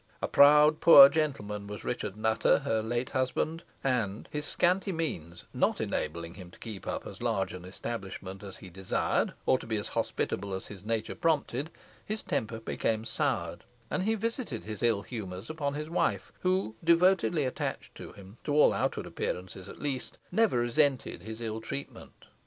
A proud poor gentleman was Richard Nutter, her late husband, and his scanty means not enabling him to keep up as large an establishment as he desired, or to be as hospitable as his nature prompted, his temper became soured, and he visited his ill humours upon his wife, who, devotedly attached to him, to all outward appearance at least, never resented his ill treatment.